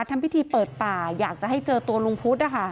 ทำพิธีเปิดป่าอยากจะให้เจอตัวลุงพุทธนะคะ